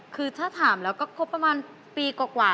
คือถ้าถามแล้วก็ครบประมาณปีกว่า